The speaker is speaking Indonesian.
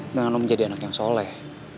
dengan lo menjadi anak yang soleh